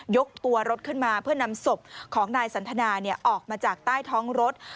ยกตัวรถขึ้นมาเพื่อนำศพของนายสันทนาออกมาจากใต้ท้องรถ